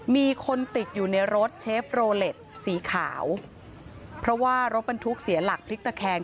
มีคนติดอยู่ในรถเชฟโรเล็ตสีขาวเพราะว่ารถบรรทุกเสียหลักพลิกตะแคง